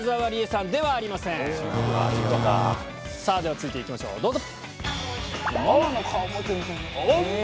続いて行きましょうどうぞ。